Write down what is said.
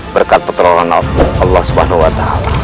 berkat petroleran allah swt